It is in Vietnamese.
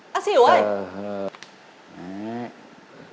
bác sỉu ơi